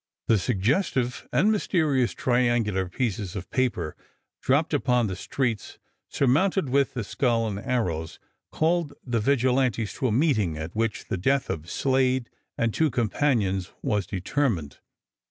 The suggestive and mysterious triangular pieces of paper dropped upon the streets, surmounted with the skull and arrows, called the vigilantes to a meeting at which the death of Slade and two companions was determined.